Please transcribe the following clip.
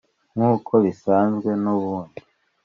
nk'uko bisanzwe n'ubundi,